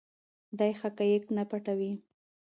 دی حقایق نه پټوي.